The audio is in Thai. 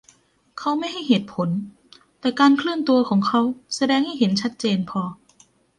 เขาไม่ให้เหตุผล แต่การเคลื่อนตัวของเขาแสดงให้เห็นชัดเจนพอ